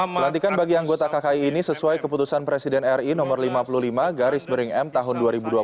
pelantikan bagi anggota kki ini sesuai keputusan presiden ri no lima puluh lima garis bering tahun dua ribu dua puluh